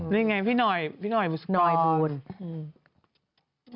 นี่ไงพี่หน่อยพี่หน่อยบุสกร่อง